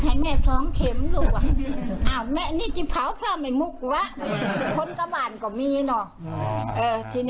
เรื่องการสงสารก็ดูตอนนี้เปรี้ยงตัวลังกว่าจะมีวันนั้น